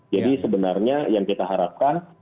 jadi sebenarnya yang kita harapkan